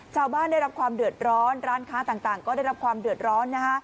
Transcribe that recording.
ชาวบ้านได้รับความเดือดร้อนร้านค้าต่างก็ได้รับความเดือดร้อนนะฮะ